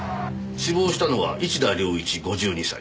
死亡したのは市田亮一５２歳。